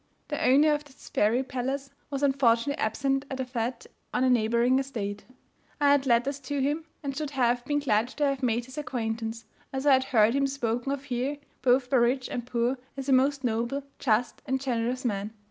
The owner of this fairy palace was unfortunately absent at a fete on a neighbouring estate. I had letters to him, and should have been glad to have made his acquaintance, as I had heard him spoken of here, both by rich and poor, as a most noble, just and generous man.